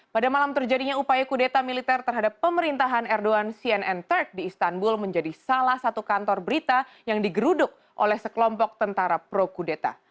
pada malam terjadinya upaya kudeta militer terhadap pemerintahan erdogan cnn turk di istanbul menjadi salah satu kantor berita yang digeruduk oleh sekelompok tentara pro kudeta